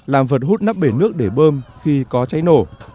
làm vật hút nắp bể nước để bơm khi có cháy nổ